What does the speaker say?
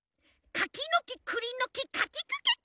かきのきくりのきかきくけこ！